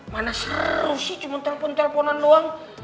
mana seru sih cuma telepon teleponan doang